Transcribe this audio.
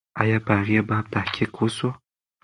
آیا په هغې باب تحقیق و سو؟